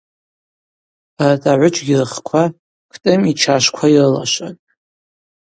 Арат агӏвыджьгьи рхква Кӏтӏым йчашвква йрылашватӏ.